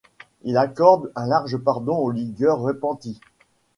Il accorde un large pardon aux ligueurs repentis.